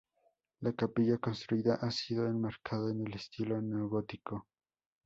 La capilla construida ha sido enmarcada en el estilo neogótico.